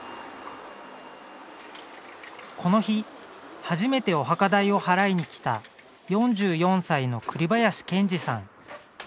この日初めてお墓代を払いにきた４４歳の栗林健二さん。